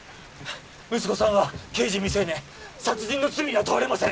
息子さんは刑事未成年殺人の罪には問われません